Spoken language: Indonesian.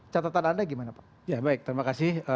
catatan anda gimana pak ya baik terima kasih